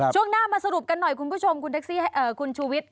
ช่วงหน้ามาสรุปกันหน่อยคุณผู้ชมคุณชูวิทย